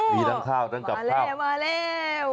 มีด้านข้าวด้านกลับข้าวมาแล้ว